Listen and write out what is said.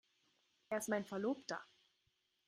Er ist mein Verlobter.